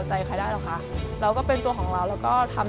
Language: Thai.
พลอยเชื่อว่าเราก็จะสามารถชนะเพื่อนที่เป็นผู้เข้าประกวดได้เหมือนกัน